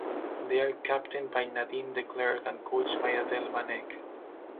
They are captained by Nadine de Klerk and coached by Adele van Eck.